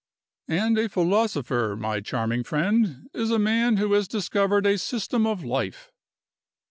"And a philosopher, my charming friend, is a man who has discovered a system of life.